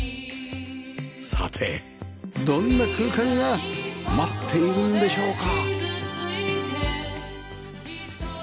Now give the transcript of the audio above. さてどんな空間が待っているんでしょうか？